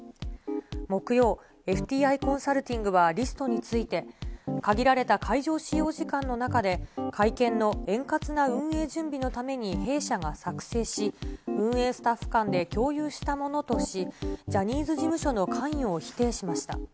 木曜、ＦＴＩコンサルティングは、リストについて、限られた会場使用時間の中で会見の円滑な運営準備のために弊社が作成し、運営スタッフ間で共有したものとし、ジャニーズ事務所の関与を否定しました。